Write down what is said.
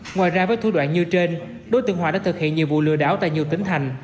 ngoài ra với thủ đoạn như trên đối tượng hòa đã thực hiện nhiều vụ lừa đảo tài nhu tính thành